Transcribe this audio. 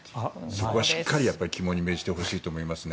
そこはしっかり肝に銘じてほしいと思いますね。